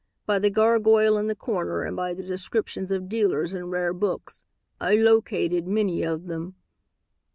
By the gargoyle in the corner and by the descriptions of dealers in rare books, I located many of them.